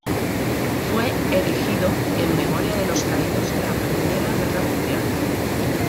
Fue erigido en memoria de los caídos en la Primera Guerra Mundial.